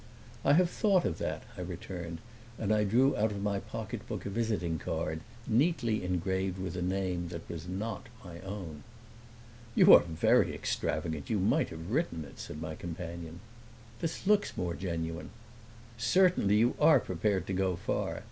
"I have thought of that," I returned; and I drew out of my pocketbook a visiting card, neatly engraved with a name that was not my own. "You are very extravagant; you might have written it," said my companion. "This looks more genuine." "Certainly, you are prepared to go far!